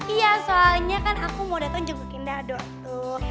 iya soalnya kan aku mau dateng jemputin dado tuh